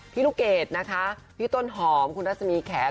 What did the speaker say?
ลูกเกดนะคะพี่ต้นหอมคุณรัศมีแขน